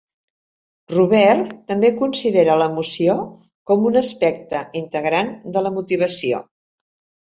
Robert també considera l'emoció com un aspecte integrant de la motivació.